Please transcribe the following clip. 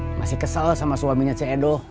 masih kesel sama suaminya c edo